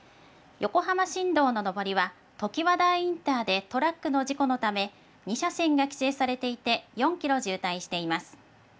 横浜新道の上りは、ときわだいインターで、トラックの事故のため、２車線が規制されていて、４キロ渋滞しています。